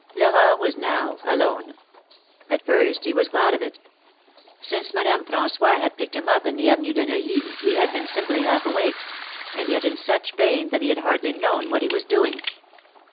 Florent was now alone. At first he was glad of it. Since Madame Fran9ois had picked him up in the Avenue de Neuilly he had been simply half awake, and yet in such pain that he had hardly known what he was doing.